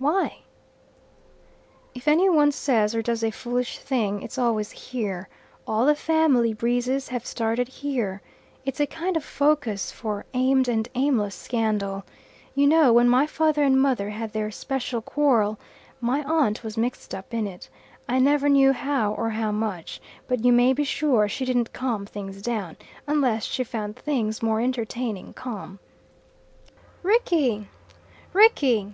"Why?" "If any one says or does a foolish thing it's always here. All the family breezes have started here. It's a kind of focus for aimed and aimless scandal. You know, when my father and mother had their special quarrel, my aunt was mixed up in it, I never knew how or how much but you may be sure she didn't calm things down, unless she found things more entertaining calm." "Rickie! Rickie!"